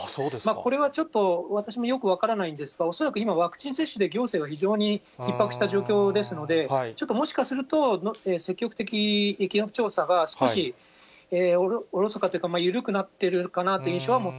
これはちょっと、私もよく分からないんですが、恐らく今、ワクチン接種で行政は非常にひっ迫した状況ですので、ちょっともしかすると積極的疫学調査が少しおろそかというか、緩くなっているのか